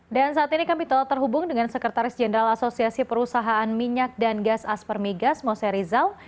dan saat ini kami telah terhubung dengan sekretaris jenderal asosiasi perusahaan minyak dan gas aspermigas mose rizal